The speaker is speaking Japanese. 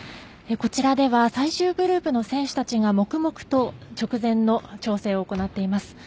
こちらでは最終グループの選手たちが黙々と直前の調整を行っています。